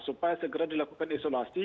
supaya segera dilakukan isolasi